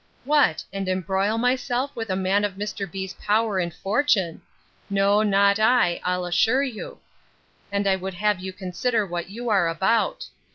—What! and embroil myself with a man of Mr. B——'s power and fortune! No, not I, I'll assure you!—And I would have you consider what you are about.